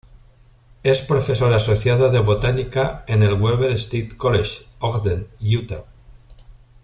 Es profesor asociado de Botánica en el "Weber State College", Ogden, Utah.